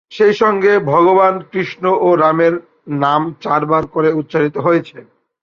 সেই সঙ্গে ভগবান কৃষ্ণ ও রামের নাম চারবার করে উচ্চারিত হয়েছে।